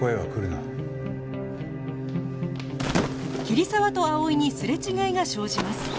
桐沢と葵にすれ違いが生じます